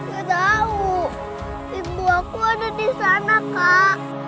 gak tau ibu aku ada disana kak